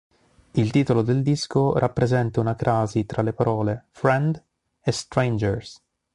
Il titolo del disco rappresenta una crasi tra le parole "friend" e "strangers".